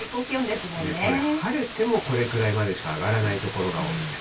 これ、晴れてもこれくらいまでしか上がらない所が多いです。